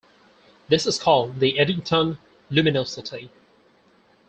This is called the Eddington Luminosity.